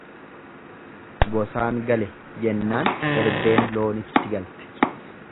Gosaan gale jennaan erbeen loonitti galte.